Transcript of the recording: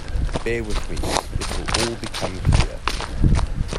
Bear with me; it will all become clear.